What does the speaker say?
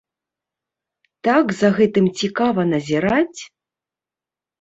Так за гэтым цікава назіраць!